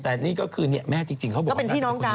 แต่นี่ก็คือเนี่ยแม่จริง